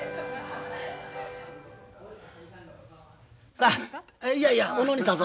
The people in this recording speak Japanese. さあいやいや小野にさそ。